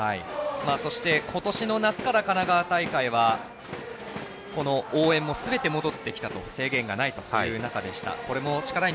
そして、今年の夏から神奈川大会はこの応援もすべて戻ってきたと制限がないという中でした。